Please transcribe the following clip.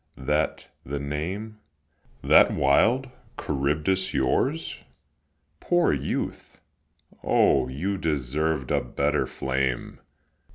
That the name? That wild Charybdis yours? Poor youth! O, you deserved a better flame!